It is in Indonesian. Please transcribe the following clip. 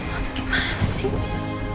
lo tuh gimana sih